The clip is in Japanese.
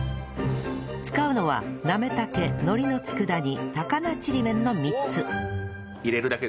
使うのはなめ茸海苔の佃煮高菜ちりめんの３つ